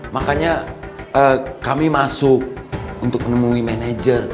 makanya kami masuk untuk menemui manajer